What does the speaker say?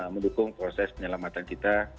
mendukung proses penyelamatan kita